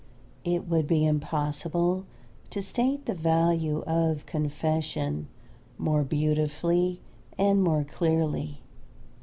It would be impossible to state the value of confession more beautifully and more clearly.